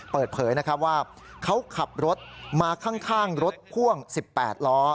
เปิดเผยนะครับว่าเขาขับรถมาข้างรถพ่วง๑๘ล้อ